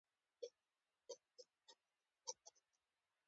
ماپښین ته هارون حکیمي هم راغی.